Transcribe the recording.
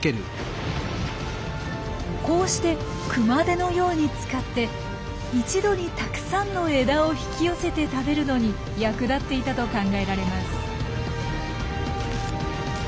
こうして熊手のように使って一度にたくさんの枝を引き寄せて食べるのに役立っていたと考えられます。